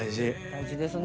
大事ですね